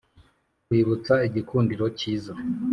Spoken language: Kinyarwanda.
kwibutsa igikundiro cyiza